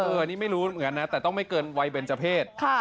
อันนี้ไม่รู้เหมือนกันนะแต่ต้องไม่เกินวัยเบนเจอร์เพศ